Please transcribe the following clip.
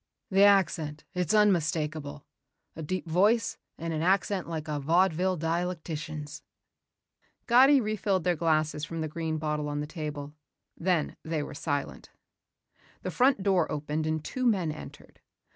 "The accent. It's unmistakable. A deep voice and an accent like a vaudeville dialectician's." Gatti refilled their glasses from the green bottle on the table. Then they were silent. The front door opened and two men entered.